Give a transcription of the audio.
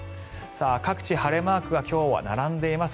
各地、晴れマークが今日は並んでいます。